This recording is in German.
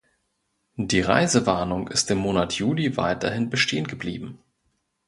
Die Reisewarnung ist im Monat Juli weiterhin bestehen geblieben.